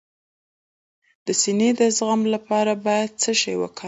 د سینې د زخم لپاره باید څه شی وکاروم؟